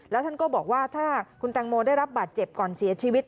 แล้วท่านก็บอกว่าถ้าคุณแตงโมได้รับบาดเจ็บก่อนเสียชีวิต